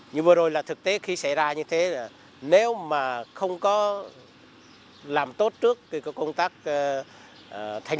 như vừa rồi là thực tế khi xảy ra như thế là nếu mà không có làm tốt trước thì có công tác thành